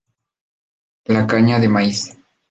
La caña de maíz.